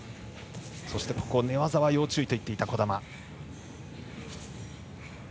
そして寝技は要注意と言っていた児玉。